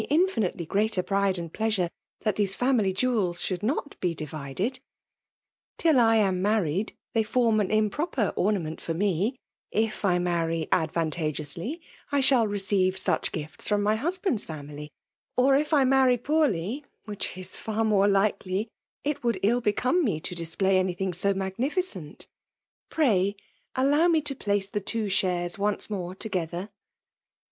infi|iit^f greater pride and pleasure that these %nily Joivels ^ottld not be divided. Till I atii mai^ lied, they form an improper ornament ibr me: If I many advantageottsly/I shall redeive stitit g(ifts from my husband's family ; or> if I marry p<)drly, winch is far more likely, it wbilMf 31 become me to display anything so magnfficetit Rray allow me to place the t^o shares oilce ni^e together.